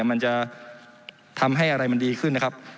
มันจะทำให้อะไรมันดีขึ้นนะครับ